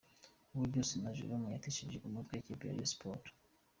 Uburyo Sina Jérôme yatesheje umutwe ikipe ya Rayon Sports.